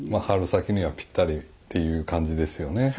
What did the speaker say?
春先にはぴったりっていう感じですよね。